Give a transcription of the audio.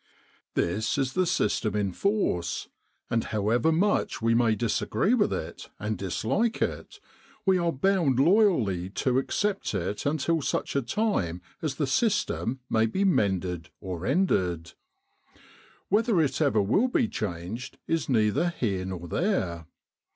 This is the system in force; and however much we may disagree with it and dislike it, we are bound loyally to accept it until such time as the system may be mended or ended. Whether it ever will be changed, is neither here nor there.